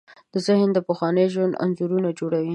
ذهن د پخواني ژوند انځورونه جوړوي.